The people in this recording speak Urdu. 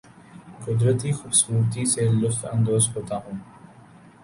قدرتی خوبصورتی سے لطف اندوز ہوتا ہوں